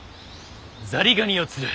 ザリガニを釣る。